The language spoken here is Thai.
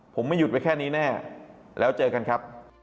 ผมไม่หยุดไว้แค่นี้แน่แล้วเจอกันครับ